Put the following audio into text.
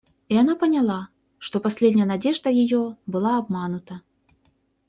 И она поняла, что последняя надежда ее была обманута.